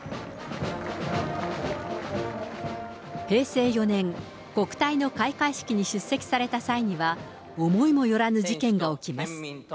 平成４年、国体の開会式に出席された際には、思いも寄らぬ事件が起きます。